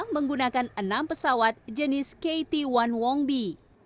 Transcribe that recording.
menggunakan enam pesawat jenis kt satu wongbi